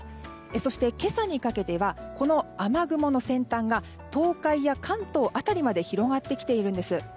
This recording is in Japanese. そして今朝にかけてはこの雨雲の先端が東海や関東辺りまで広がってきているんです。